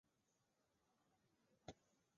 次年改任泰宁镇总兵。